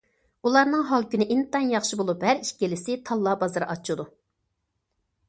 ئۇلارنىڭ ھال- كۈنى ئىنتايىن ياخشى بولۇپ، ھەر ئىككىلىسى تاللا بازىرى ئاچىدۇ.